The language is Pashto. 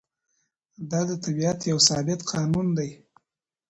دا د طبیعت یو ثابت قانون دی.